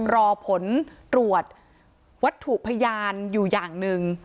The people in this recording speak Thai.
รอผลตรวจวัตถุพยานอยู่อย่างหนึ่ง